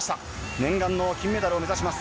念願の金メダルを目指します。